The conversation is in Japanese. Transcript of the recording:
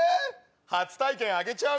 初体験あげちゃう？